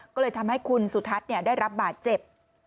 ก็เลยทำให้คุณสุทัศน์ได้รับบาดเจ็บ